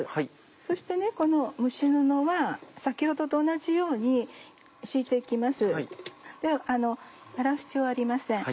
そしてこの蒸し布は先ほどと同じように敷いて行きますで洗う必要はありません。